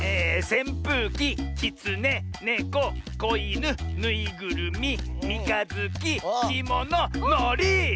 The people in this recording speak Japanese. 「せんぷうき」「きつね」「ねこ」「こいぬ」「ぬいぐるみ」「みかづき」「きもの」「のり」！